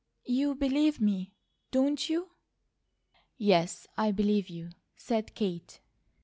You believe me, don't you?" "Yes, I believe you," said Kate.